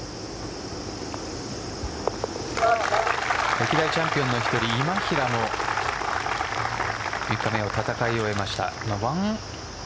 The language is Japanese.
歴代チャンピオンの１人今平も３日目の戦いを終えました。